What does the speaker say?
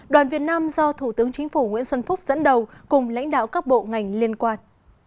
đoàn việt nam do thủ tướng chính phủ nguyễn xuân phúc dẫn đầu cùng lãnh đạo các bộ ngành liên quan